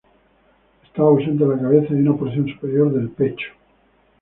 Estaba ausente la cabeza y una porción superior del pecho.